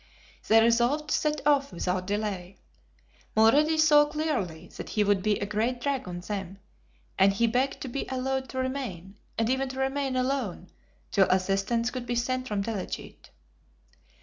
They resolved to set off without delay. Mulrady saw clearly that he would be a great drag on them, and he begged to be allowed to remain, and even to remain alone, till assistance could be sent from Delegete.